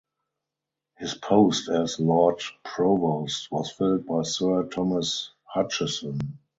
His post as Lord Provost was filled by Sir Thomas Hutchison.